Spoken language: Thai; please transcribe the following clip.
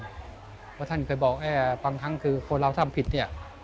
เพราะท่านเคยบอกบางครั้งคือคนเราทำผิดเนี่ย